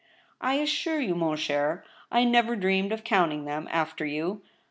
I assure you, man cher, I never dreamed of counting them, after you.